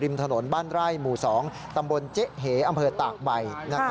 ถนนบ้านไร่หมู่๒ตำบลเจ๊เหอำเภอตากใบ